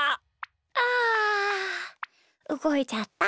あうごいちゃった。